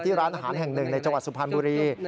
ร้านอาหารแห่งหนึ่งในจังหวัดสุพรรณบุรี